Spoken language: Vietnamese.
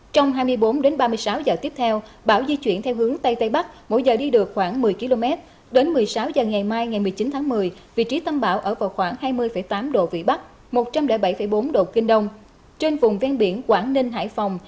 trong hai mươi bốn đến ba mươi sáu giờ tiếp theo bão di chuyển theo hướng tây tây bắc mỗi giờ đi được khoảng một mươi km đến một mươi sáu h ngày mai ngày một mươi chín tháng một mươi vị trí tâm bão ở vào khoảng hai mươi tám độ vĩ bắc một trăm linh bảy bốn độ kinh đông trên vùng ven biển quảng ninh hải phòng